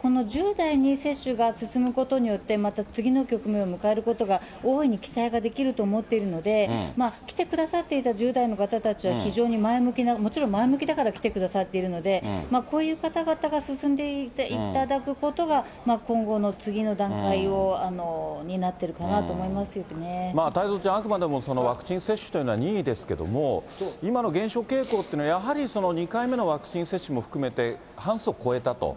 この１０代に接種が進むことによって、また次の局面を迎えることが大いに期待ができると思っているので、来てくださっていた１０代の方たちは、非常に前向きな、もちろん前向きだから来てくださっているので、こういう方々が進んでいただくことが今後の次の段階を担ってるか太蔵ちゃん、あくまでもワクチン接種というのは任意ですけれども、今の減少傾向というのは、やはり２回目のワクチン接種も含めて、半数を超えたと。